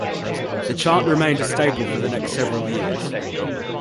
The chant remained a staple for the next several years.